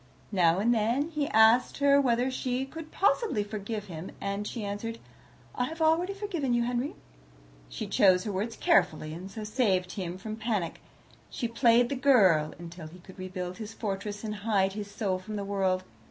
Now and then he asked her whether she could possibly forgive him, and she answered, "I have already forgiven you, Henry." She chose her words carefully, and so saved him from panic. She played the girl, until he could rebuild his fortress and hide his soul from the world.